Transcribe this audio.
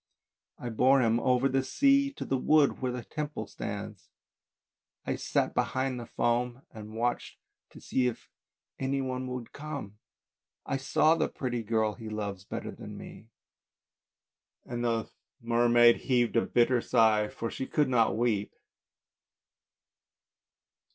" I bore him over the sea to the wood, where the Temple stands. I sat behind the foam and watched to see if any one would come. I saw the pretty girl he loves better than me." And the mermaid heaved a bitter sigh, for she could not weep.